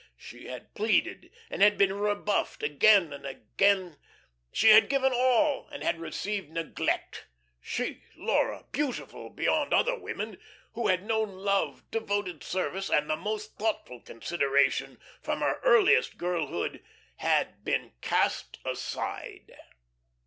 She had pleaded, and had been rebuffed again and again; she had given all and had received neglect she, Laura, beautiful beyond other women, who had known love, devoted service, and the most thoughtful consideration from her earliest girlhood, had been cast aside.